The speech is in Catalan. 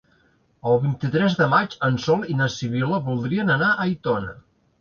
El vint-i-tres de maig en Sol i na Sibil·la voldrien anar a Aitona.